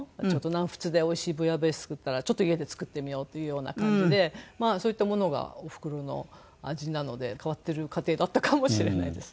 南仏でおいしいブイヤベース食ったらちょっと家で作ってみようっていうような感じでそういったものがおふくろの味なので変わっている家庭だったかもしれないです。